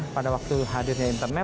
pada waktu hadirnya internet